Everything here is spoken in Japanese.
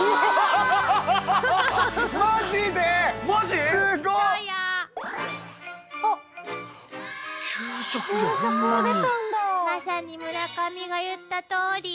まさに村上が言ったとおり。